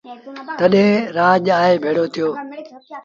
تڏهيݩ رآڄ آئي ڀيڙو ٿيو۔